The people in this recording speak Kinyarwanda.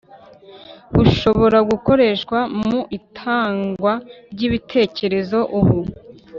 bushobora gukoreshwa mu itangwa ry’ibitekerezo. Ubu